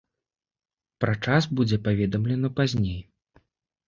Пра час будзе паведамлена пазней.